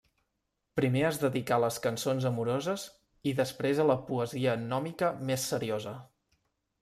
Primer es dedicà a les cançons amoroses, i després a la poesia gnòmica més seriosa.